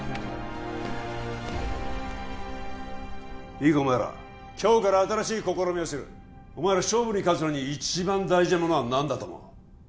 いいかお前ら今日から新しい試みをするお前ら勝負に勝つのに一番大事なものは何だと思う？